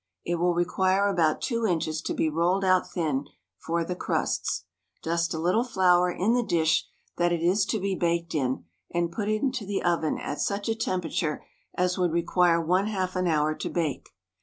It will require about two inches to be rolled out thin for the crusts. Dust a little flour in the dish that it is to be baked in and put into the oven at such a temperature as would require one half an hour to bake.